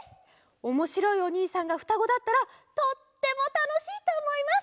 おもしろいおにいさんがふたごだったらとってもたのしいとおもいます！